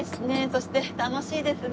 そして楽しいですね。